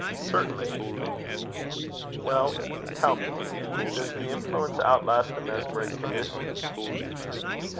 "Certainly." "Well, tell me, does the influence outlast the mesmeric condition?"